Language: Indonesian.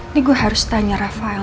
ini gue harus tanya rafael